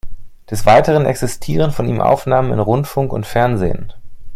Des Weiteren existieren von ihm Aufnahmen in Rundfunk und Fernsehen.